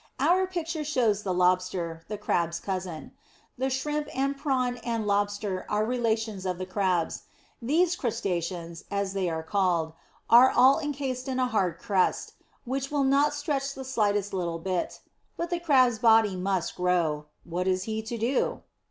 Our picture shows the Lobster, the Crab's cousin. The Shrimp and Prawn and Lobster are relations of the Crab; these crustaceans, as they are called, are all cased up in a hard crust, which will not stretch the slightest little bit. But the Crab's body must grow! What is he to do?